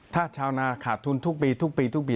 ถ้าชาวนาขาดทุนทุกปีทุกปี